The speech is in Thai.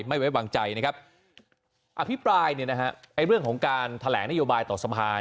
ไม่ไว้วางใจอภิปรายเรื่องของการแถลงนโยบายต่อสภา